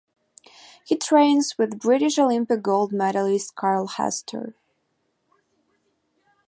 He trains with British Olympic gold medalist Carl Hester.